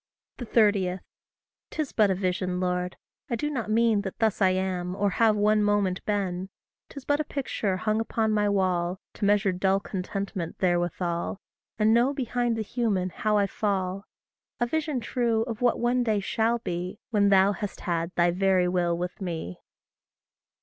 30. 'Tis but a vision, Lord; I do not mean That thus I am, or have one moment been 'Tis but a picture hung upon my wall, To measure dull contentment therewithal, And know behind the human how I fall; A vision true, of what one day shall be, When thou hast had thy very will with me.